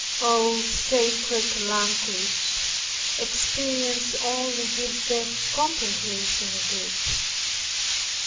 Oh, sacred language! Experience only gives the comprehension of it!